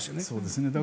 そうですね。